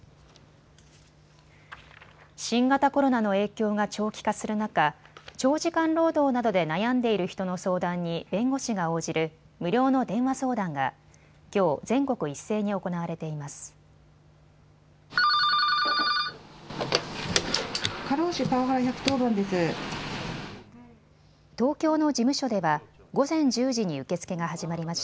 新型コロナの影響が長期化する中、長時間労働などで悩んでいる人の相談に弁護士が応じる無料の電話相談がきょう全国一斉に行われています。